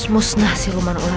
podcast yang boleh